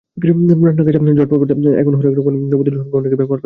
রান্নার কাজ ঝটপট সারতে এখন হরেক রকম বৈদ্যুতিক অনুষঙ্গ অনেকেই ব্যবহার করেন।